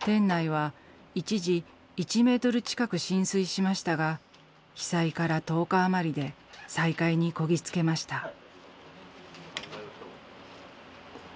店内は一時１メートル近く浸水しましたが被災から１０日余りで再開にこぎつけました。